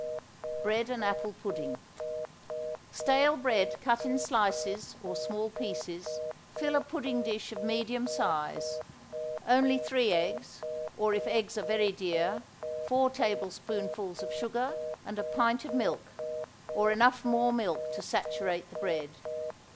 BREAD AND APPLE PUDDING. Stale bread cut in slices or small pieces, fill a pudding dish of medium size, only three eggs, or if eggs are very dear, four tablespoonfuls of sugar, and a pint of milk, or enough more milk to saturate the bread.